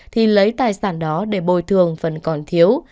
thì lấy tài sản đó để bồi thường phần còn thiếu